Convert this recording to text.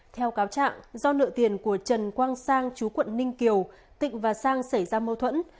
theo cáo trạng do nợ tiền của trần quang sang chú quận ninh kiều tịnh và sang xảy ra mâu thuẫn